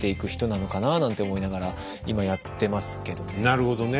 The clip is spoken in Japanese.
なるほどね。